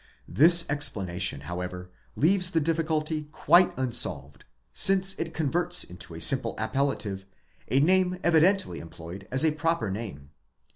This explanation however leaves the difficulty quite unsolved, since it converts into a simple appellative a name evidently employed as a proper name.